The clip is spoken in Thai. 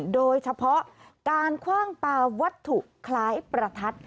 โดยเฉพาะการคว่างปลาวัตถุคล้ายประทัด